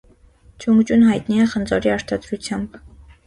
Չունգջուն հայտնի է խնձորի արտադրությամբ։